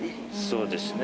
そうですね。